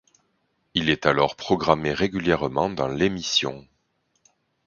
Il est alors programmé régulièrement dans l'émission.